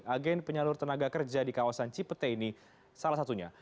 agen penyalur tenaga kerja di kawasan cipete ini salah satunya